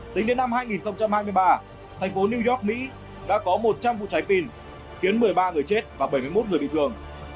tính đến năm hai nghìn hai mươi ba thành phố new york mỹ đã có một trăm linh vụ cháy pin khiến một mươi ba người chết và bảy mươi một người bị thương